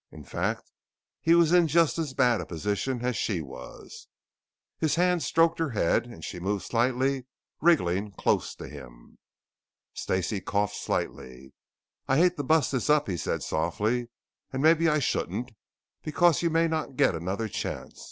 In fact he was in just as bad a position as she was. His hand stroked her head, and she moved slightly, wriggling close to him. Stacey coughed slightly. "I hate to bust this up," he said softly. "And maybe I shouldn't, because you may not get another chance.